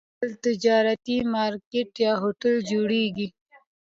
بل تجارتي مارکیټ یا هوټل جوړېږي.